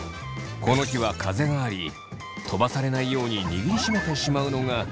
この日は風があり飛ばされないように握りしめてしまうのが塊になってしまう原因でした。